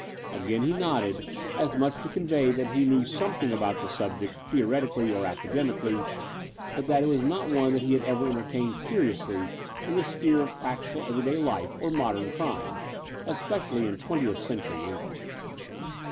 Again he nodded, as much as to convey that he knew something about the subject theoretically or academically, but that it was not one that he had ever entertained seriously in the sphere of prac tical everyday life or modem crime, especially in twentieth century England.